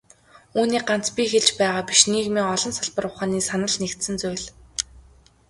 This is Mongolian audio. Үүнийг ганц би хэлж байгаа биш, нийгмийн олон салбар ухааны санал нэгдсэн зүйл.